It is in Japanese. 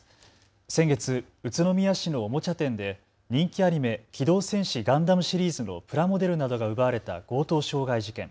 先月、宇都宮市のおもちゃ店で人気アニメ、機動戦士ガンダムシリーズのプラモデルなどが奪われた強盗傷害事件。